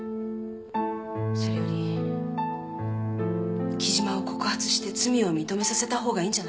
それより貴島を告発して罪を認めさせた方がいいんじゃないかって。